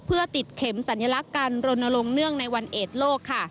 เพื่อติดเข็มสัญลักษณ์การรณรงค์เนื่องในวันเอดโลกค่ะ